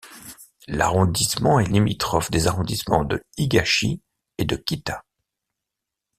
L'arrondissement est limitrophe des arrondissements de Higashi et de Kita.